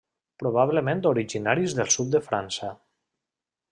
Probablement originaris del sud de França.